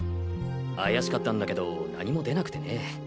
怪しかったんだけど何も出なくてね。